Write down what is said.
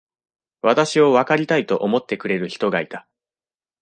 私をわかりたいと思ってくれる人がいた。